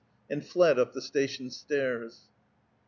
and fled up the station stairs.